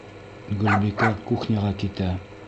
Гөлбикә кухняға китә.